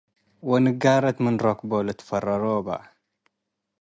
ወንጋረት ምን ረክቦ ልትፈረሮ በ ።